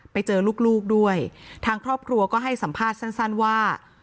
ไปเจอลูกด้วยทางครอบครัวก็ให้สัมภาษณ์สั้นว่า